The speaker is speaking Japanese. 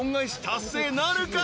達成なるか？］